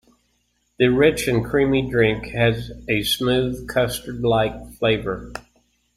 The rich and creamy drink has a smooth, custard-like flavor.